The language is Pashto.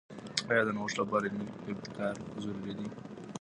آیا د نوښت لپاره علمي ابتکارات ضروري دي؟